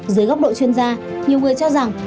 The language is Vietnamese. dưới góc độ chuyên gia nhiều người cho rằng